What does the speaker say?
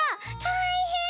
たいへん！